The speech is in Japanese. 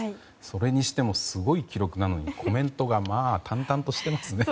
それにしてもすごい記録なのにコメントがまあ、淡々としていますね。